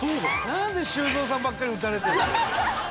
「なんで修造さんばっかり撃たれてるの」